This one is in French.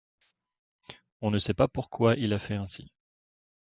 On ne sait pas pourquoi il a fait ainsi.